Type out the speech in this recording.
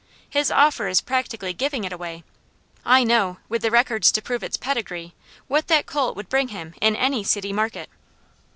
His offer is practically giving it away. I know, with the records to prove its pedigree, what that colt would bring him in any city market."